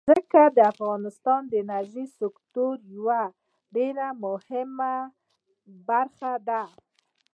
ځمکه د افغانستان د انرژۍ سکتور یوه ډېره مهمه برخه ده.